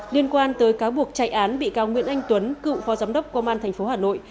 liên quan tới cáo buộc chạy án bị cáo nguyễn anh tuấn cựu phó giám đốc công an tp hà nội